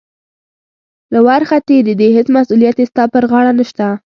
له ورخه تېرې دي، هېڅ مسؤلیت یې ستا پر غاړه نشته.